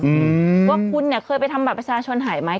ว่าคุณเคยไปทำบาปภาษาชนไห่ไหม